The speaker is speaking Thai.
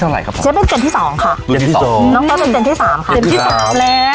เต็มที่๓ครับเต็มที่๓แล้ว